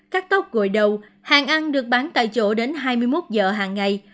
các tóc gội đầu hàng ăn được bán tại chỗ đến hai mươi một giờ hàng ngày